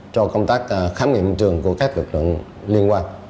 cho công tác khám nghiệm trường của các lực lượng liên quan